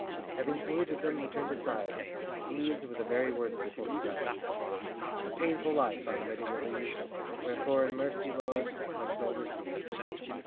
[Having saluted them, he turned aside, These were the very words before he died]: A painful life I ready am to leave, Wherefore, in mercy, Lord, my soul receive.